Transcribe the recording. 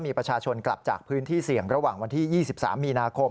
มีประชาชนกลับจากพื้นที่เสี่ยงระหว่างวันที่๒๓มีนาคม